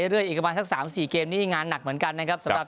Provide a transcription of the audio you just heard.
เรื่อยกันมาทั้งสามสี่เกมนี้งานหนักเหมือนกันนะครับสำหรับ